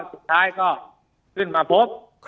สุดท้ายก็ขึ้นมาพบ